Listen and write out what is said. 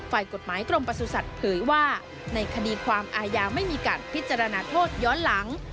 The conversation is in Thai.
ฝ่ายกฎหมายกรมประสุทธิ์เผยว่าในคดีความอาญาไม่มีการพิจารณาโทษย้อนหลัง